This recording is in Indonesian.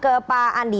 ke pak andi